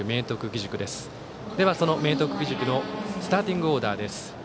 義塾のスターティングオーダーです。